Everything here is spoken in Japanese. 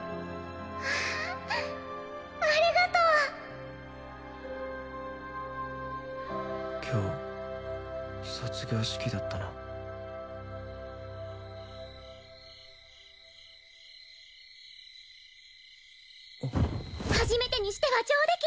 わあありがとう！今日卒業式だったな初めてにしては上出来